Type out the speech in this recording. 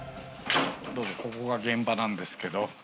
どうぞここが現場なんですけど。